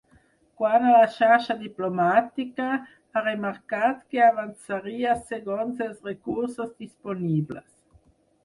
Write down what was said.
Quant a la xarxa diplomàtica, ha remarcat que avançaria segons els recursos disponibles.